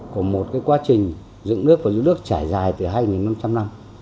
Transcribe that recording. của một quá trình dựng nước và giữ nước trải dài từ hai năm trăm linh năm